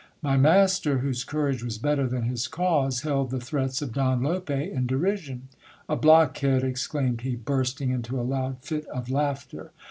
My master, whose courage was better than his cause, held the threats of Don Lope in derision. A blockkead ! exclaimed he, bursting into a loud fit of laughter.